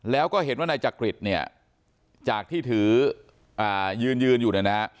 แล้วก็เห็นว่าในจักริตเนี่ยจากที่ถืออ่ายืนยืนอยู่นะฮะ